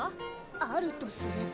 あるとすれば。